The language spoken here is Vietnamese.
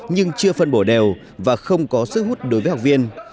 nhưng chưa phân bổ đều và không có sức hút đối với học viên